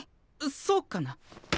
そうかな？